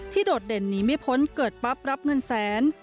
ที่โดดเด่นนี้ไม่พ้นเกิดปั๊บรับเงื่อนแสน